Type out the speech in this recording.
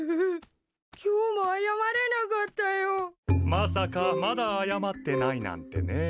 まさかまだ謝ってないなんてねぇ。